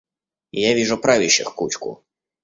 Я вижу правящих кучку.